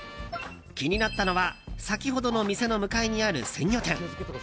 気になったのは先ほどの店の向かいにある鮮魚店。